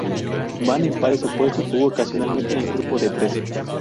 Van en pares opuestos u ocasionalmente en grupo de tres.